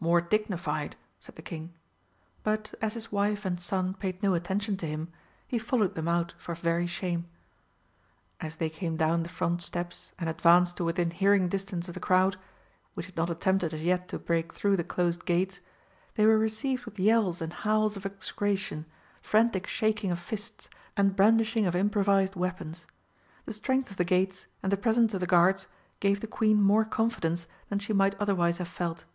More dignified," said the King. But as his wife and son paid no attention to him, he followed them out for very shame. As they came down the front steps and advanced to within hearing distance of the crowd, which had not attempted as yet to break through the closed gates, they were received with yells and howls of execration, frantic shaking of fists and brandishing of improvised weapons. The strength of the gates and the presence of the guards gave the Queen more confidence than she might otherwise have felt.